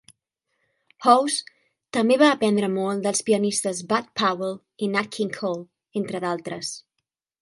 Hawes també va aprendre molt dels pianistes Bud Powell i Nat King Cole, entre d"altres.